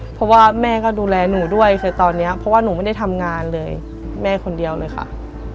เพราะว่าแม่ก็ดูแลหนูด้วยคือตอนนี้เพราะว่าหนูไม่ได้ทำงานเลยแม่คนเดียวเลยค่ะ